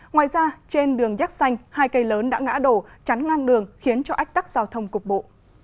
ngoài ra trên đường giác xanh hai cây lớn đã ngã đổ chắn ngang đường khiến cho ách tắc giao thông cục bộ